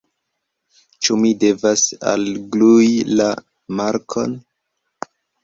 Ĉu mi devas alglui la markon?